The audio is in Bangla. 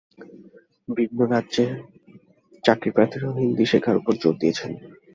বিভিন্ন রাজ্যের চাকরিপ্রার্থীরাও হিন্দি শেখার ওপর জোর দিয়েছেন।